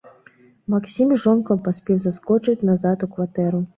Максім з жонкай паспеў заскочыць назад у кватэру.